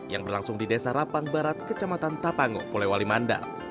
yang berlangsung di desa rapang barat kecamatan tapango polewali mandar